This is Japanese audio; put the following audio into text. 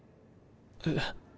えっ。